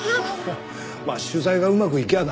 まあ取材がうまくいきゃあな。